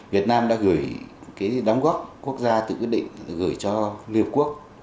việt nam đã gửi cái đóng góp quốc gia tự quyết định gửi cho liên hợp quốc